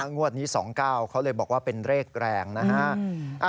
งวดนี้๒๙เขาเลยบอกว่าเป็นเลขแรงนะฮะ